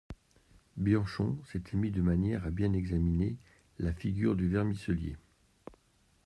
Bianchon s'était mis de manière à bien examiner la figure du vermicellier.